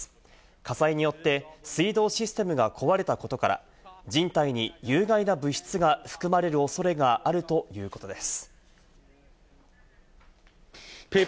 火災によって水道システムが壊れたことから、人体に有害な物質が含まれる恐れがあるということです。